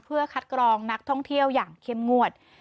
เพื่อคัดกรองนักท่องเที่ยวอย่างเข้มงวด